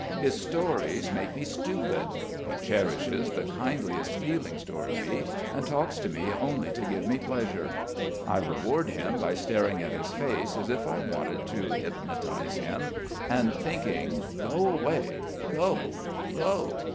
His stories make me stupid.... He cherishes the kindliest feelings towards me and talks to me only to give me pleasure. I reward him by staring at his face as if I wanted to hypnotise him, and thinking "Go away. Go, go...."